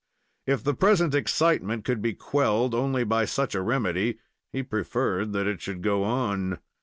If the present excitement could be quelled only by such a remedy, he preferred that it should go on.